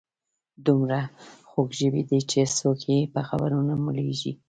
دومره خوږ ژبي دي چې څوک یې په خبرو نه مړیږي.